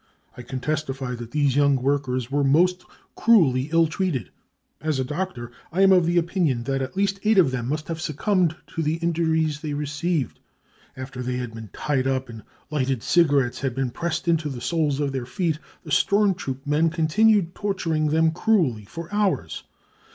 I can testify that these young workers were most cruelly ill treated. As a doctor, I am of the opinion that at least eight of them must have succumbed to the injuries they received. After they had been tied up and lighted cigarettes had been pressed into the soles of their feet, the storm troop men continued torturing them cruelly for hours.